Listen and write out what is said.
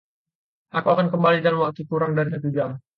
Aku akan kembali dalam waktu kurang dari satu jam.